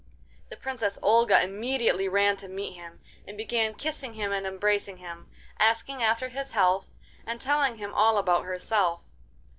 The Princess Olga immediately ran to meet him, and began kissing him and embracing him, asking after his health, and telling him all about herself.